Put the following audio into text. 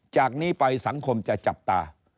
ทำไมสังคมจะจับตา